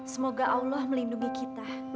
semoga allah melindungi kita